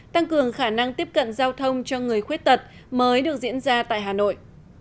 tăng cường khả năng tiếp cận giao thông cho người khuyết tật mới được diễn ra tại hà nội